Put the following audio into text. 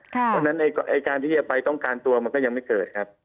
เพราะฉะนั้นการที่จะไปต้องการตัวมันก็ยังไม่เกิดครับ